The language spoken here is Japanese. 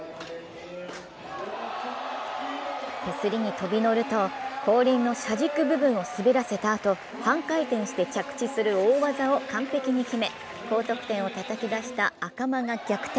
手すりに飛び乗ると、後輪の車軸部分を滑らせたあと、半回転して着地する大技を完璧に決め高得点をたたき出した赤間が逆転。